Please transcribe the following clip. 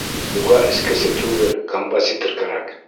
Уға эскесе түгел, композитор кәрәк.